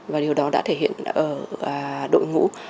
và điều đó đã thể hiện ở đội ngũ